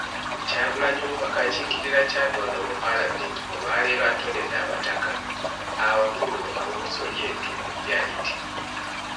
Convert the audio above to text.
Kyagulanyi, omubaka akiikirira Kyaddondo mu palamenti olwaleero atonedde abataka abakulu ab'obusolya ettu lya Eid.